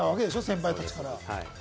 先輩たちから。